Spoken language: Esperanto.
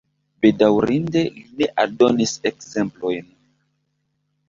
Bedaŭrinde li ne aldonis ekzemplojn.